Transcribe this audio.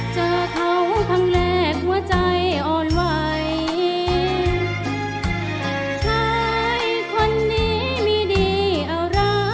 เจอเขาครั้งแรกหัวใจออกไปแล้ว